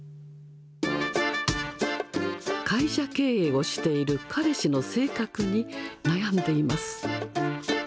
会社経営をしている彼氏の性格に悩んでいます。